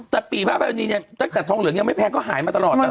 แต่ปีภาพแบบนี้เนี่ยแต่ทองเหลืองยังไม่แพงก็หายมาตลอดนะ